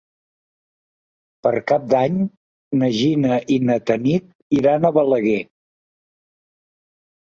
Per Cap d'Any na Gina i na Tanit iran a Balaguer.